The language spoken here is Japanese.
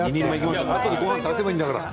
あとで、ごはん足せばいいんだから。